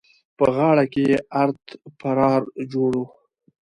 په غاړه کې يې ارت پرار جوړ وو.